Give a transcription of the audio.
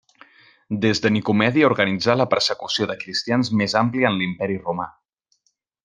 Des de Nicomèdia organitzà la persecució de cristians més àmplia en l'Imperi Romà.